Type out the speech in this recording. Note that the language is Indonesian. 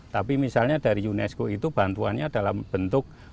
tapi misalnya dari unesco itu bantuannya dalam bentuk